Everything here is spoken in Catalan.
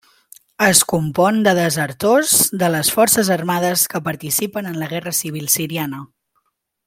Es compon de desertors de les Forces armades que participen en la Guerra civil siriana.